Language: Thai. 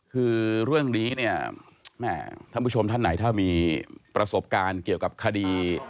คือเรื่องนี้เนี่ยแม่ท่านผู้ชมท่านไหนถ้ามีประสบการณ์เกี่ยวกับคดี